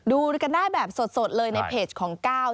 ดูกันได้แบบสดเลยในเพจของก้าว